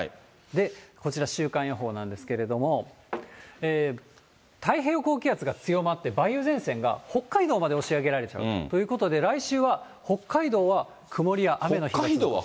こちら週間予報なんですけれども、太平洋高気圧が強まって、梅雨前線が北海道まで押し上げられちゃうということで、来週は北海道は曇りや雨の日が。